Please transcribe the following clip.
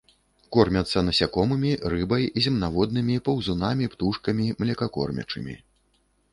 Кормяцца насякомымі, рыбай, земнаводнымі, паўзунамі, птушкамі, млекакормячымі.